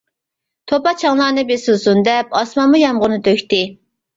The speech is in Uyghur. توپا-چاڭلارنى بېسىلسۇن دەپ ئاسمانمۇ يامغۇرنى تۆكتى.